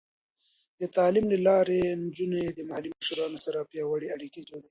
د تعلیم له لارې، نجونې د محلي مشرانو سره پیاوړې اړیکې جوړوي.